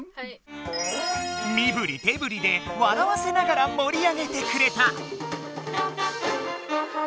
みぶりてぶりで笑わせながら盛り上げてくれた。